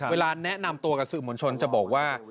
เวลาแนะนำตัวกับสื่อมวลชนจะบอกว่า